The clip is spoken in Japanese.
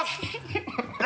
ハハハ